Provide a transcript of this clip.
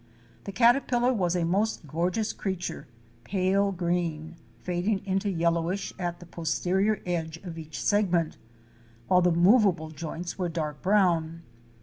The caterpillar was a most gorgeous creature; pale green, fading into yellowish at the posterior edge of each segment, while the movable joints were dark brown.